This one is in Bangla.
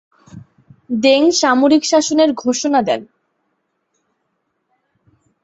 দেং সামরিক শাসনের ঘোষণা দেন।